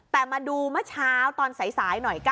แต่มาดูเมื่อเช้าตอนสายหน่อยกัน